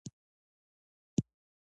مقالې باید په زړه پورې او روانې وي.